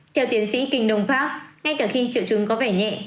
theo tiến sĩ kinh đồng pháp ngay cả khi triệu chứng có vẻ nhẹ